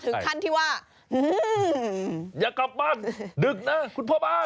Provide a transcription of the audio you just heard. ถึงขั้นที่ว่าอย่ากลับบ้านดึกนะคุณพ่อบ้าน